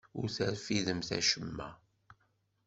Ur terfidemt acemma.